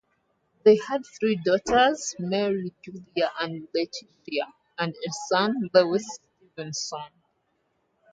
They had three daughters, Mary, Julia and Letitia, and a son, Lewis Stevenson.